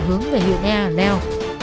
hướng về hướng ea leo